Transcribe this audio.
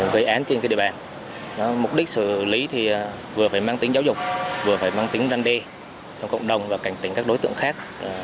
gây án trên địa bàn mục đích xử lý thì vừa phải mang tính giáo dục vừa phải mang tính răn đê trong cộng đồng và cảnh tính các đối tượng khác